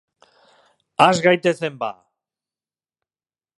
Has gaitezen ba.